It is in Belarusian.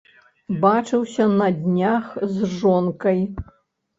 Бачыўся на днях з жонкай.